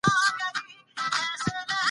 افغانستان کې اقلیم د چاپېریال د تغیر نښه ده.